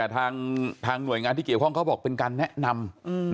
ทางหน่วยงานที่เกี่ยวข้องเขาบอกเป็นการแนะนำ